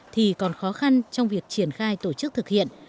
thì còn khó khăn trong việc triển khai tổ chức thực hiện